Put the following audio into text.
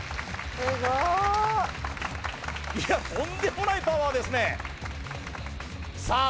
いやとんでもないパワーですねさあ